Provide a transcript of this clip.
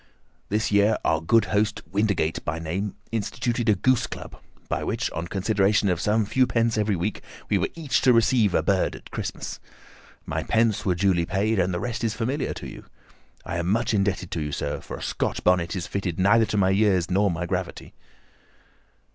This year our good host, Windigate by name, instituted a goose club, by which, on consideration of some few pence every week, we were each to receive a bird at Christmas. My pence were duly paid, and the rest is familiar to you. I am much indebted to you, sir, for a Scotch bonnet is fitted neither to my years nor my gravity."